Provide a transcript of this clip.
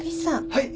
はい。